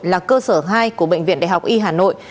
là cơ sở hai của bệnh viện đại học y hà nội